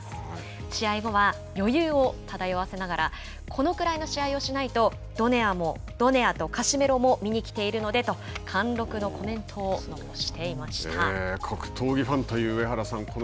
試合後は余裕を漂わせながらこのくらいの試合をしないとドネアとカシメロも見に来ているのでと貫禄のコメントを格闘技ファンという上原さん